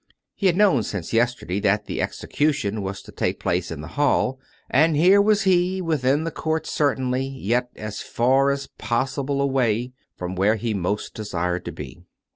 He had known since yesterday that the execution was to take place in the hall, and here was he^ within the court 354, COME RACK! COME ROPE! certainly, yet as far as possible away from where he most desired to be.